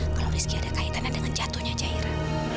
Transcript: kalau rizki ada kaitannya dengan jatuhnya jaira